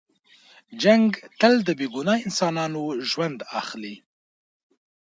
جنګ تل د بې ګناه انسانانو ژوند اخلي.